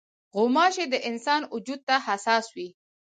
غوماشې د انسان وجود ته حساس وي.